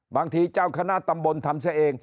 บางทีเจ้าคณะตำบลทำเสียเอง